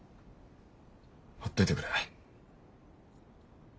ほっといてくれ。